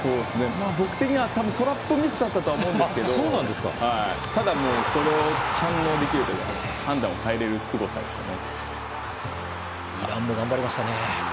僕的にはトラップミスだと思うんですけどただ、それに反応できるというか判断を変えられるすごさですよね。